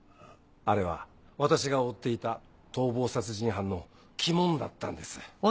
あれは私が追っていた逃亡殺人犯の鬼門だったんです。